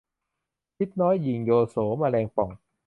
พิษน้อยหยิ่งโยโส แมลงป่อง